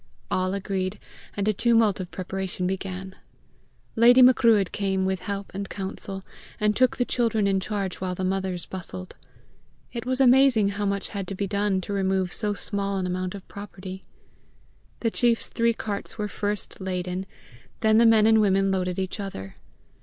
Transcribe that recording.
All agreed, and a tumult of preparation began. "Lady Macruadh" came with help and counsel, and took the children in charge while the mothers bustled. It was amazing how much had to be done to remove so small an amount of property. The chief's three carts were first laden; then the men and women loaded each other.